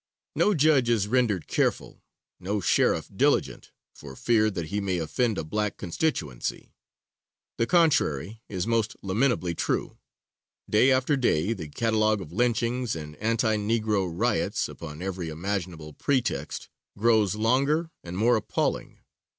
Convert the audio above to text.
No judge is rendered careful, no sheriff diligent, for fear that he may offend a black constituency; the contrary is most lamentably true; day after day the catalogue of lynchings and anti Negro riots upon every imaginable pretext, grows longer and more appalling.